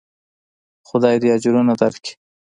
خداى دې اجرونه درکي.